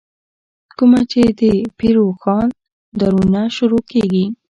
کومه چې دَپير روښان ددورنه شروع کيږې